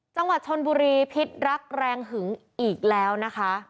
จังหวัดชนบุรีพิษรักแรงหึงอีกแล้วนะคะ